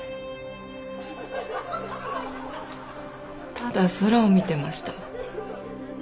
ただ空を見てました。